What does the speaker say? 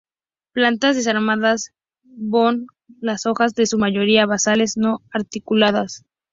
Plantas desarmadas von las hojas en su la mayoría basales no auriculadas.